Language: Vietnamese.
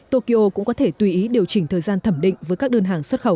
tokyo cũng có thể tùy ý điều chỉnh thời gian thẩm định với các đơn hàng xuất khẩu